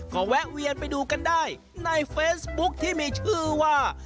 ก็แวะเวียนไปดูกันได้ในเฟซบุ๊คที่มีชื่อว่า